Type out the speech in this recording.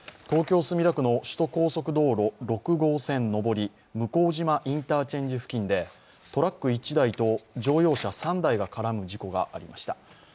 東京・墨田区の首都高速道路６号線上り、向島インターチェンジ付近でトラック１台と乗用車３台が絡む事故がありました